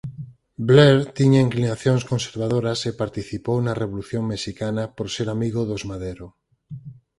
Blair tiña inclinacións conservadoras e participou na Revolución Mexicana por ser amigo dos Madero.